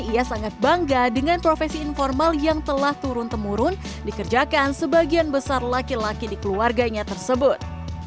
ia sangat bangga dengan profesi informal yang telah turun temurun dikerjakan sebagian besar laki laki di keluarganya tersebut